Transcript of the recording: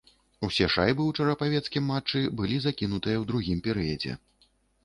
Усе шайбы ў чарапавецкім матчы былі закінутыя ў другім перыядзе.